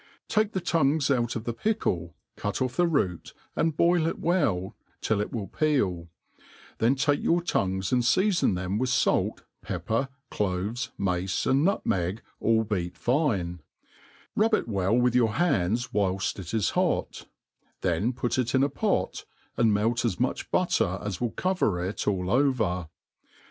Take the tongues out of the pickle, cutofFthe root, and boil it well, till it will peel ; then take your tongues and feafon them with fait, pep per, cloves, mace, and nutmeg, all beat fine ; rub it well with your hands whilA it is hot ; then put it in a pot, and mtlt as much butter as will cover it all over.